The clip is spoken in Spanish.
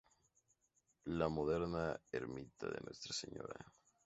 La moderna ermita de Nuestra Sra.